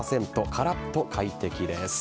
カラッと快適です。